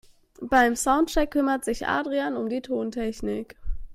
Beim Soundcheck kümmert sich Adrian um die Tontechnik.